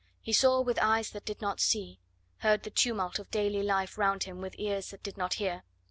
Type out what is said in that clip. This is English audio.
He saw with eyes that did not see, heard the tumult of daily life round him with ears that did not hear.